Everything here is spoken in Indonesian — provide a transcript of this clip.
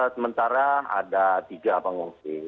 sementara ada tiga pengungsi